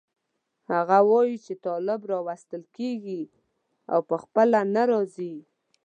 هغه وایي چې طالب راوستل کېږي او په خپله نه راځي.